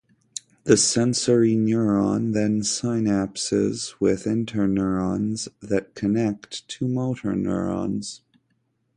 The sensory neuron then synapses with interneurons that connect to motor neurons.